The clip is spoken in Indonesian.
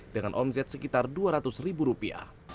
dengan omset sekitar dua ratus ribu rupiah